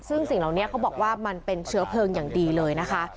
ซึ่งสิ่งเหล่านี้เขาบอกว่ามันเป็นเชื้อเพลิงอย่างดีเลยนะคะ